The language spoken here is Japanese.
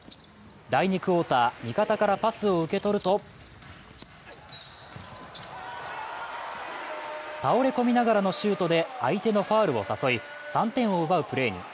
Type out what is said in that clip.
第２クオーター、味方からパスを受け取ると倒れ込みながらのシュートで相手のファウルを誘い、３点を奪うプレーに。